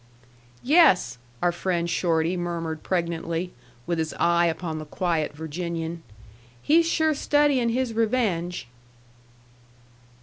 "Yes," our friend Shorty murmured pregnantly, with his eye upon the quiet Virginian, "he's sure studying his revenge."